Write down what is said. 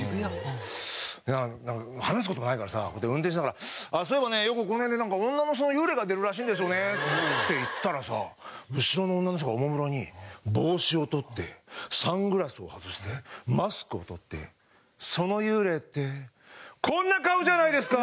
なんか話す事もないからさ運転しながら「そういえばねよくこの辺でなんか女の人の幽霊が出るらしいんですよね」って言ったらさ後ろの女の人がおもむろに帽子を取ってサングラスを外してマスクを取って「その幽霊ってこんな顔じゃないですか？」